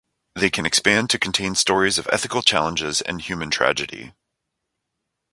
They can expand to contain stories of ethical challenges and human tragedy.